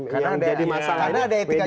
karena ada etika jurnalis ya